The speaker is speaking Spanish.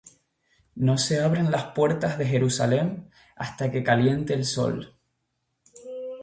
No se abran las puertas de Jerusalem hasta que caliente el sol: